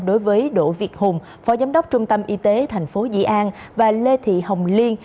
đối với đỗ việt hùng phó giám đốc trung tâm y tế tp di an và lê thị hồng liên